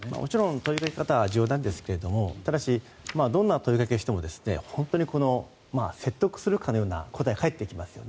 問いかけ方が重要ですがただし、どんな問いかけをしても本当に説得するかのような答えが返ってきますよね。